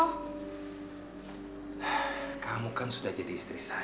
hah kamu kan sudah jadi istri saya